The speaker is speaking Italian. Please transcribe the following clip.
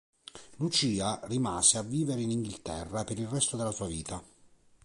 Lucia rimase a vivere in Inghilterra per il resto della sua vita.